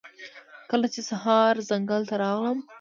کله چې سهار ځنګل ته راغلم